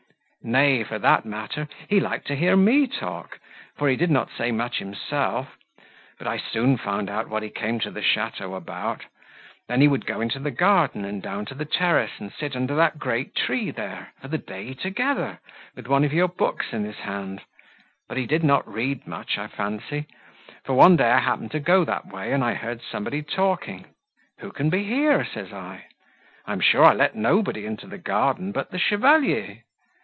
Nay, for that matter, he liked to hear me talk, for he did not say much himself. But I soon found out what he came to the château about. Then, he would go into the garden, and down to the terrace, and sit under that great tree there, for the day together, with one of your books in his hand; but he did not read much, I fancy; for one day I happened to go that way, and I heard somebody talking. Who can be here? says I: I am sure I let nobody into the garden, but the Chevalier.